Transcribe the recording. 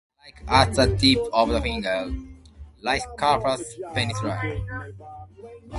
It lies at the tip of the finger-like Karpass Peninsula.